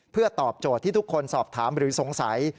เพื่อตอบโจทย์ที่ทุกคนสอบถามหรือสงสัย